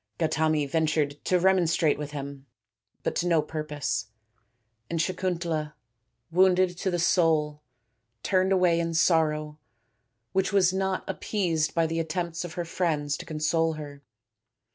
Gautami ventured to remonstrate with him, but to no purpose, and Sakuntala, wounded to the soul, turned away in sorrow which was not appeased by the attempts of her friends to console her.